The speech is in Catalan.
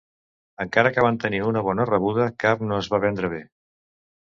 Encara que van tenir una bona rebuda, cap no es va vendre bé.